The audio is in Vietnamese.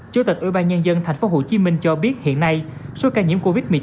chủ tịch ủy ban nhân dân tp hcm cho biết hiện nay số ca nhiễm covid một mươi chín